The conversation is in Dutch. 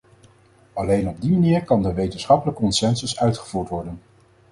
Alleen op die manier kan de wetenschappelijke consensus uitgevoerd worden.